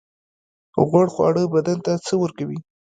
غوړ خواړه بدن ته څه ورکوي؟